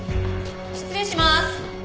失礼します。